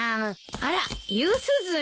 あら夕涼み。